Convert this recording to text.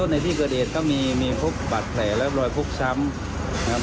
ในที่เกอร์เดตก็มีพุคบัตรแผลแล้วรอยพุคช้ำอ่ะ